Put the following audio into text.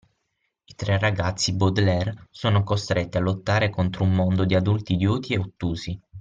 I tre ragazzi Baudelaire sono costretti a lottare contro un mondo di adulti idioti e ottusi